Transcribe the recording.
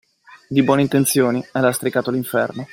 Di buone intenzioni è lastricato l'inferno.